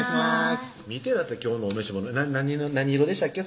見て今日のお召し物何色でしたっけ？